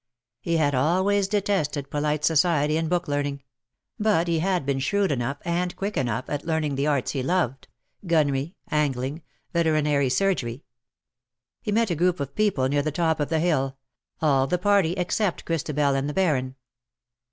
He had always detested polite society and book learning ; but he had been shrewd enough and quick enough at learning the arts he loved :— gunnery — angling — veterinary surgery. He met a group of people near the top of the hill — all the party except Christabel and the Baron.